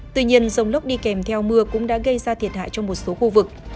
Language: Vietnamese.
tuy nhiên dông lốc đi kèm theo mưa cũng đã gây ra thiệt hại trong một số khu vực